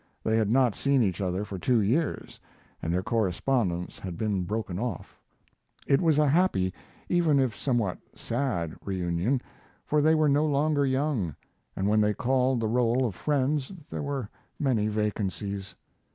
They had not seen each other for two years, and their correspondence had been broken off. It was a happy, even if somewhat sad, reunion, for they were no longer young, and when they called the roll of friends there were many vacancies.